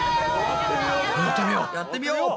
やってみよう！